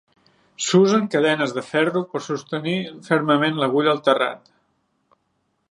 S'usen cadenes de ferro per sostenir fermament l'agulla al terrat.